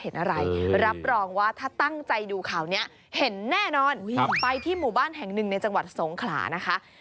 ในจังหวัดสงขลานะคะ